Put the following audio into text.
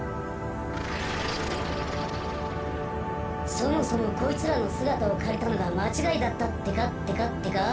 そもそもこいつらのすがたをかりたのがまちがいだったってかってかってか。